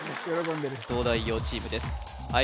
東大王チームです